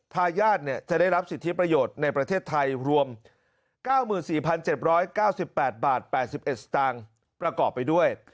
ทายาทจะได้รับสิทธิประโยชน์ในประเทศไทยรวม๙๔๗๙๘บาท๘๑สตางค์ประกอบไปด้วย